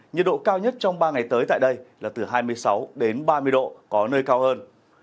nhiệt độ cao nhất trong ba ngày tới tại đây là từ hai mươi sáu đến ba mươi độ có nơi cao hơn